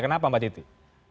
kenapa mbak titi